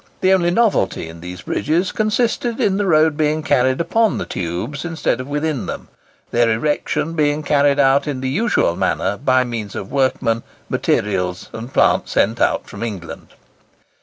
The only novelty in these bridges consisted in the road being carried upon the tubes instead of within them; their erection being carried out in the usual manner, by means of workmen, materials, and plant sent out from England.